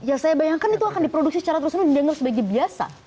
ya saya bayangkan itu akan diproduksi secara terus dianggap sebagai biasa